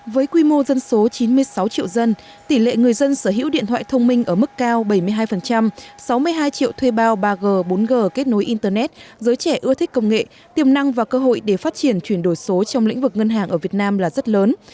với quy mô dân số chín mươi sáu triệu dân tỷ lệ người dân sở hữu điện thoại thông minh ở mức cao bảy mươi hai sáu mươi hai triệu thuê bao ba g bốn g kết nối internet giới trẻ ưa thích công nghệ tiềm năng và cơ hội để phát triển chuyển đổi số trong lĩnh vực ngân hàng ở việt nam là rất lớn